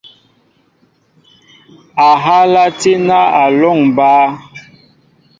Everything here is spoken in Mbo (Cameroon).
Ahala tína a lɔŋ baá.